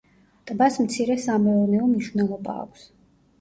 ტბას მცირე სამეურნეო მნიშვნელობა აქვს.